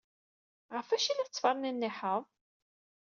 Ɣef wacu ay la tettferniniḥed?